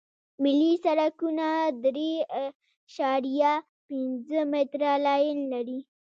ملي سرکونه درې اعشاریه پنځه متره لاین لري